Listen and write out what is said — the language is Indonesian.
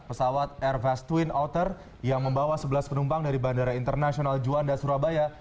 pesawat airbus twin otter yang membawa sebelas penumpang dari bandara internasional juanda surabaya